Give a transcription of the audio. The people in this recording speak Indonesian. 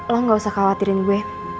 lo gak usah khawatirin gue